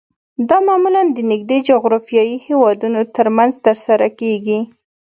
دا معمولاً د نږدې جغرافیایي هیوادونو ترمنځ ترسره کیږي